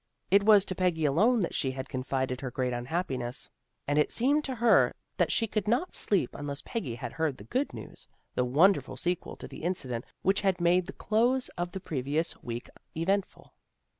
It was to Peggy alone that she had confided her great unhappiness, and it seemed to her that she could not sleep unless Peggy had heard the good news, the wonderful sequel to the incident which had made the close of the pre vious week eventful.